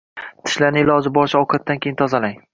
Tishlarni iloji boricha ovqatdan keyin tozalang.